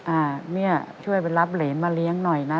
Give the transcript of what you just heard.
อะแม่ช่วยไปรับเหรียญมาเลี้ยงหน่อยนะ